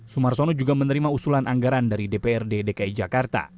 sumarsono juga menerima usulan anggaran dari dprd dki jakarta